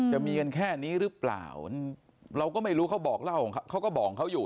จะมีกันแค่นี้หรือเปล่าเราก็ไม่รู้เขาบอกเล่าของเขาก็บอกเขาอยู่